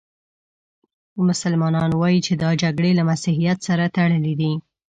مسلمانان وايي چې دا جګړې له مسیحیت سره تړلې دي.